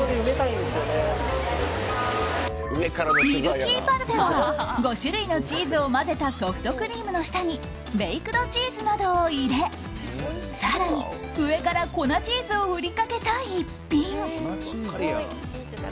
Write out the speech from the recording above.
ミルキーパルフェは５種類のチーズを混ぜたソフトクリームの下にベイクドチーズなどを入れ更に上から粉チーズを振りかけた逸品。